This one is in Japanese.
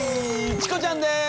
チコちゃんです！